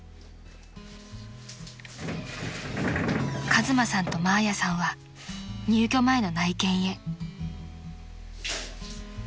［和真さんとマーヤさんは入居前の内見へ］